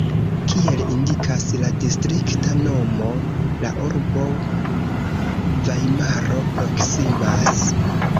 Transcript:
Kiel indikas la distrikta nomo, la urbo Vajmaro proksimas.